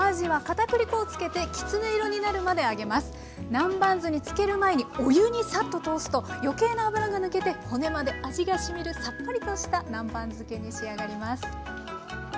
南蛮酢につける前にお湯にサッと通すと余計な油が抜けて骨まで味がしみるさっぱりとした南蛮漬けに仕上がります。